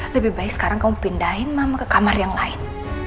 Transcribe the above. lebih baik sekarang kamu pindahin mama ke kamar yang lain